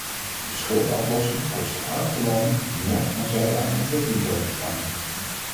De schuldaflossing kost de armste landen meer dan zij aan ontwikkelingshulp ontvangen.